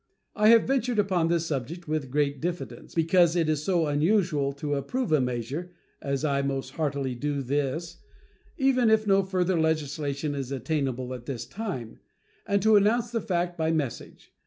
I have ventured upon this subject with great diffidence, because it is so unusual to approve a measure as I most heartily do this, even if no further legislation is attainable at this time and to announce the fact by message.